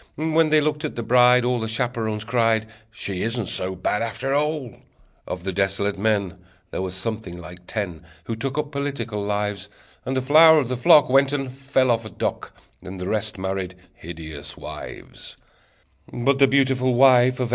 When they looked at the bride All the chaperons cried: "She isn't so bad, after all!" Of the desolate men There were something like ten Who took up political lives, And the flower of the flock Went and fell off a dock, And the rest married hideous wives! But the beautiful wife Of F.